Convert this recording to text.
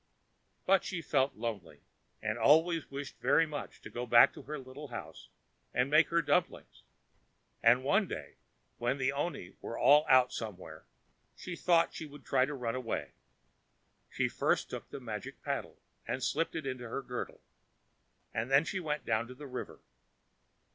But she felt lonely, and always wished very much to go back to her own little house, and make her dumplings; and one day, when the oni were all out somewhere, she thought she would try to run away. She first took the magic paddle and slipped it under her girdle, and then she went down to the river.